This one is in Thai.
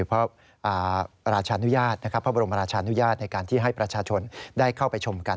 พระบรมราชานุญาตในการที่ให้ประชาชนได้เข้าไปชมกัน